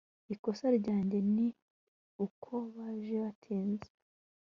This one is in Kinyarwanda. Ikosa ryanjye ni uko baje batinze